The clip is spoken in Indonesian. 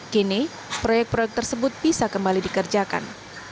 kini proyek proyek tersebut bisa kembali dikerjakan